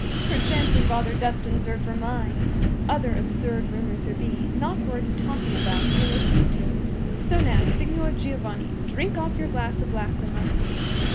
Perchance her father destines her for mine! Other absurd rumors there be, not worth talking about or listening to. So now, Signor Giovanni, drink off your glass of lachryma."